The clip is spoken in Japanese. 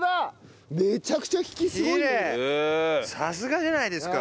さすがじゃないですか。